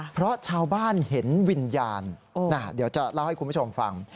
เพราะชาวบ้านเห็นวิญญาณเดี๋ยวจะเล่าให้คุณผู้ชมฟัง